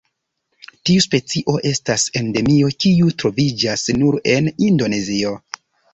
Tiu specio estas Endemio kiu troviĝas nur en Indonezio.